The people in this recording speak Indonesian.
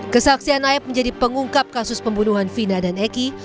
kesaksian aeb menjadi pengungkap kasus pembunuhan vina dan eki